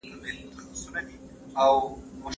افغان جهادي مشران د خلکو پر وړاندې ناتار وکړ.